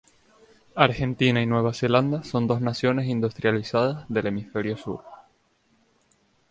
Argentina y Nueva Zelanda son dos naciones industrializadas del hemisferio sur.